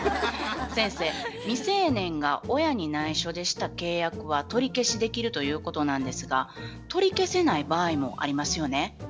先生未成年が親に内緒でした契約は取り消しできるということなんですが取り消せない場合もありますよね？